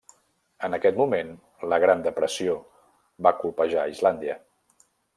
En aquest moment, la Gran Depressió va colpejar Islàndia.